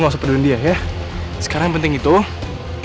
saya sudah dapat apartemen mas